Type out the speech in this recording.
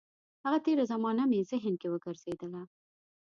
هغه تېره زمانه مې ذهن کې وګرځېدله.